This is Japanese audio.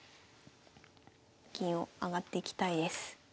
銀を上がっていきたいです。